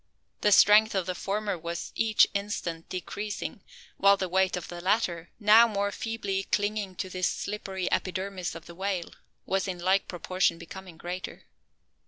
The strength of the former was each instant decreasing; while the weight of the latter, now more feebly clinging to the slippery epidermis of the whale, was in like proportion becoming greater.